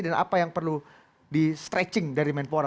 dan apa yang perlu di stretching dari kemenpora